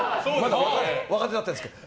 若手だったんですけど。